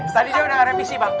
tadi dia udah revisi pak